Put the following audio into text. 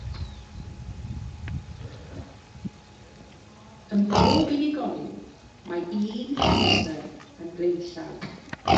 Ym mhob unigolyn, mae un hemisffer yn flaenllaw.